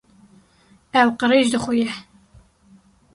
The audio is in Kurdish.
Ew qirêj dixuye.